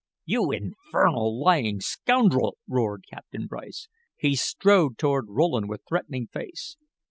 "You infernal, lying scoundrel!" roared Captain Bryce. He strode toward Rowland with threatening face.